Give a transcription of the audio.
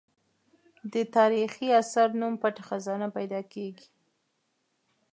د تاریخي اثر نوم پټه خزانه پیدا کېږي.